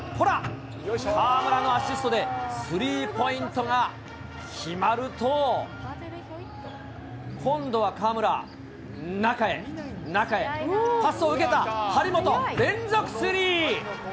河村のアシストでスリーポイントが決まると、今度は河村、中へ、中へ、パスを受けた張本、連続スリー。